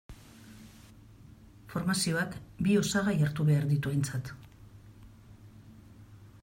Formazioak bi osagai hartu behar ditu aintzat.